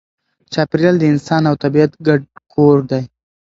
چاپېریال د انسان او طبیعت ګډ کور دی.